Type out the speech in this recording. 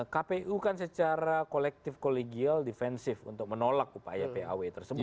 kpu kan secara kolektif kolegial defensif untuk menolak upaya paw tersebut